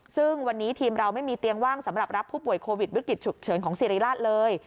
ซึ่งวันนี้ทีมเราไม่มีเตียงว่างสำหรับรับผู้ป่วยโควิดวิกฤตฉุกเฉินของสิริราชเลย